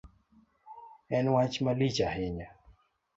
En wach malich ahinya